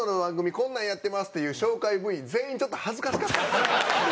こんなんやってますっていう紹介Ｖ全員ちょっと恥ずかしかった。